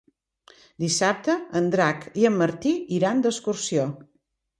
Dissabte en Drac i en Martí iran d'excursió.